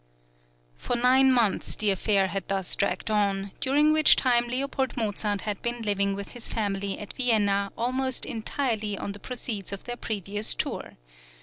For nine months the affair had thus dragged on, during which time L. Mozart had been living with his family at Vienna almost entirely on the proceeds of their previous tour.